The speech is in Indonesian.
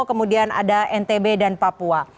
kemudian ada ntb dan papua